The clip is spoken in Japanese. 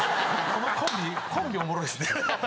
このコンビコンビおもろいっすね。